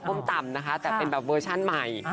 ต่ำนะคะแต่เป็นแบบเวอร์ชั่นใหม่